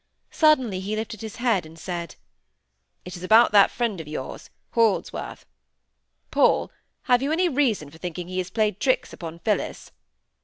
Suddenly he lifted his head up and said,— "It is about that friend of yours, Holdsworth! Paul, have you any reason for thinking he has played tricks upon Phillis?"